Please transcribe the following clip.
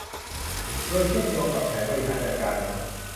โดยเชื่อมโยงกับแผนบริหารจัดการน้ำ